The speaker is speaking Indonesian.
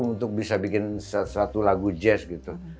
untuk bisa bikin suatu lagu jazz gitu